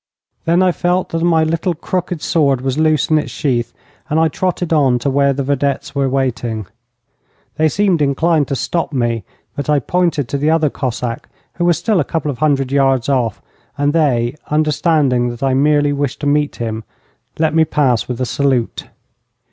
Then I felt that my little, crooked sword was loose in its sheath, and I trotted on to where the vedettes were waiting. They seemed inclined to stop me, but I pointed to the other Cossack, who was still a couple of hundred yards off, and they, understanding that I merely wished to meet him, let me pass with a salute.